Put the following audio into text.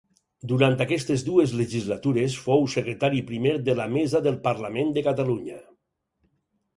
Durant aquestes dues legislatures fou secretari primer de la Mesa del Parlament de Catalunya.